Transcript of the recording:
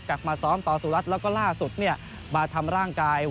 กลับมาซ้อมต่อสุรัตน์แล้วก็ล่าสุดมาทำร่างกาย